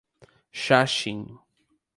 Xaxim